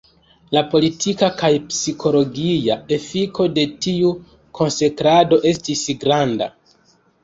La politika kaj psikologia efiko de tiu konsekrado estis granda.